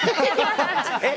えっ？